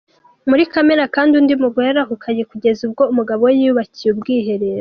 Muri Kamena kandi undi mugore yarahukanye kugeza ubwo umugabo we yubakiye ubwiherero.